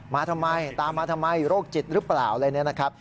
มาทำไมตามมาทำไมโรคจิตหรือเปล่าอะไรเนี่ยนะครับ